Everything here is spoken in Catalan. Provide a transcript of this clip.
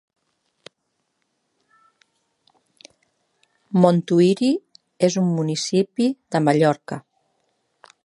Montuïri és un municipi de Mallorca.